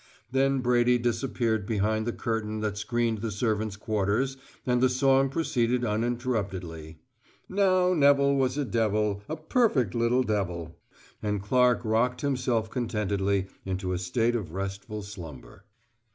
Then Brady disappeared behind the curtain that screened the servants' quarters, and the song proceeded uninterruptedly, "Now Neville was a devil A perfect little devil"; and Clark rocked himself contentedly into a state of restful slumber.